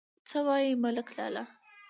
_څه وايي، ملک لالا؟